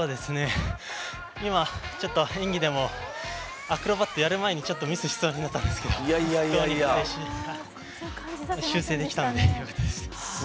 今、演技でもアクロバットやる前にミスしそうになったんですけどどうにか修正できたんでよかったです。